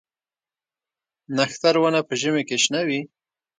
نښتر ونه په ژمي کې شنه وي؟